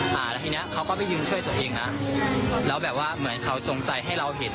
อ่าแล้วทีเนี้ยเขาก็ไปยืนช่วยตัวเองนะแล้วแบบว่าเหมือนเขาจงใจให้เราเห็น